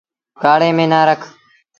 ڪآڙي ميݩ نا رک۔